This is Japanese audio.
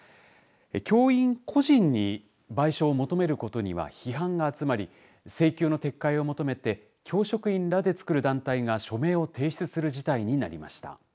教員個人に賠償を求めることには批判が集まり請求の撤回を求めて教職員らで作る団体が書面を提出する事態になりました。